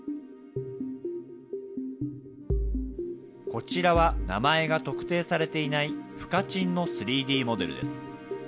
こちらは、名前が特定されていない深沈の３Ｄモデルです。